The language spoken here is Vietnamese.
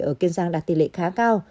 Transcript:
ở kiên giang đạt tỷ lệ khá cao